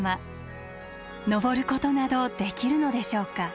登ることなどできるのでしょうか？